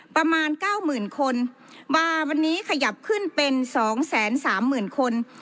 ประมาณเก้าหมื่นคนว่าวันนี้ขยับขึ้นเป็นสองแสนสามหมื่นคน